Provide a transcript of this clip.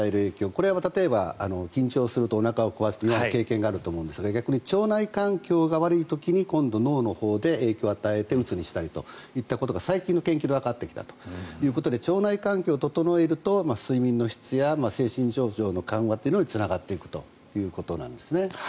これは例えば緊張するとおなかを壊すとかよく経験あると思いますが逆に腸内環境が悪い時に今度、脳のほうに影響を与えてうつにしたりということが最近の研究でわかってきたということで腸内環境を整えると睡眠の質や精神症状の緩和に脳腸相関。